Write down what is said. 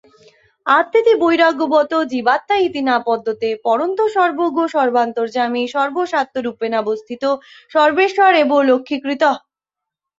আত্মেতি বৈরাগ্যবতো জীবাত্মা ইতি নাপদ্যতে, পরন্তু সর্বগ সর্বান্তর্যামী সর্বস্যাত্মরূপেণাবস্থিত সর্বেশ্বর এব লক্ষ্যীকৃতঃ।